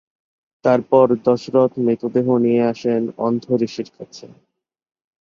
তারপর দশরথ মৃতদেহ নিয়ে আসেন অন্ধ ঋষির কাছে।